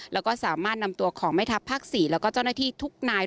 แล้วก็สามารถนำตัวของแม่ทัพภาค๔แล้วก็เจ้าหน้าที่ทุกนาย